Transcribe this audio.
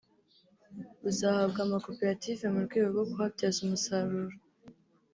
buzahabwa amakoperative mu rwego rwo kuhabyaza umusaruro